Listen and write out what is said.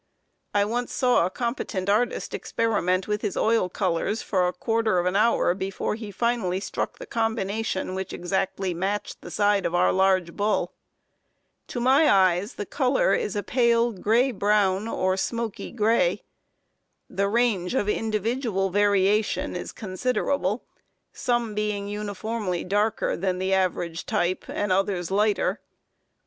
I once saw a competent artist experiment with his oil colors for a quarter of an hour before he finally struck the combination which exactly matched the side of our large bull. To my eyes, the color is a pale gray brown or smoky gray. The range of individual variation is considerable, some being uniformly darker than the average type, and others lighter.